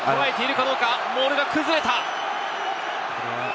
モールが崩れた。